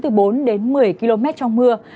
từ bốn đến một mươi km trong mưa